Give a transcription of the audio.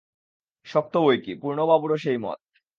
শক্ত বৈকি– পূর্ণবাবুরও সেই মত।